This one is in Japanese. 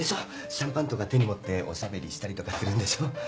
シャンパンとか手に持っておしゃべりしたりとかするんでしょ？